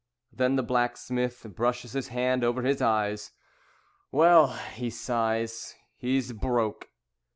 Then the blacksmith brushes his hand over his eyes, "Well," he sighs, "He's broke."